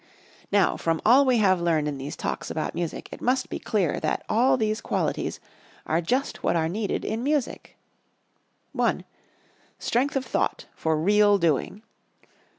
Now, from all we have learned in these Talks about music it must be clear that all these qualities are just what are needed in music: I. Strength of thought for Real doing.